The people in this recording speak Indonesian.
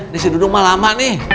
dianggung lama nih